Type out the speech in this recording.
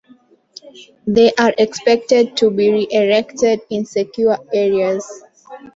They are expected to be re-erected in secure areas.